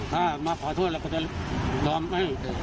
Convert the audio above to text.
ถ้ามาขอโทษเราก็จะยอมให้